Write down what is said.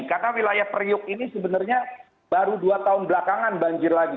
karena wilayah priuk ini sebenarnya baru dua tahun belakangan banjir lagi